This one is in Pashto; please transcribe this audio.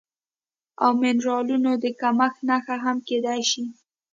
او منرالونو د کمښت نښه هم کیدی شي